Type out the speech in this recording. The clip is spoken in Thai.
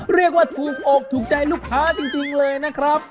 เรียกว่าถูกอกถูกใจลูกค้าจริงเลยนะครับ